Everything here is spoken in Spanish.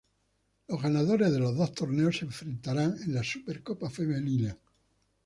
Los ganadores de los dos torneos se enfrentarán en la Súper Copa Femenina.